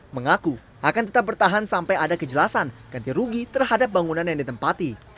mengaku akan tetap bertahan sampai ada kejelasan ganti rugi terhadap bangunan yang ditempati